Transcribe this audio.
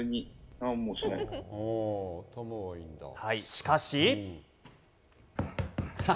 しかし。